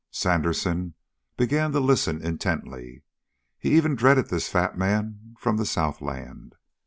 Sandersen began to listen intently. He even dreaded this fat man from the southland.